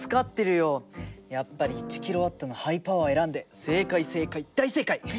やっぱり１ｋＷのハイパワーを選んで正解正解大正解！